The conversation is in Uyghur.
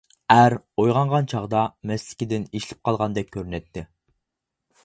ئەر ئويغانغان چاغدا مەستلىكىدىن يېشىلىپ قالغاندەك كۆرۈنەتتى.